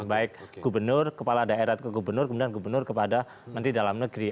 baik gubernur kepala daerah atau gubernur kemudian gubernur kepada menteri dalam negeri